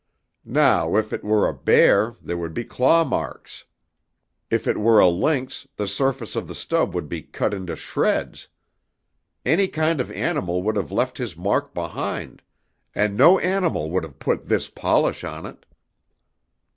Now if it were a bear, there would be claw marks. If it were a lynx, the surface of the stub would be cut into shreds. Any kind of animal would have left his mark behind, and no animal would have put this polish on it!"